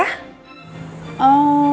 boleh ya bu ya